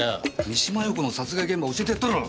三島陽子の殺害現場教えてやったろ！